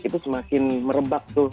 itu semakin merebak tuh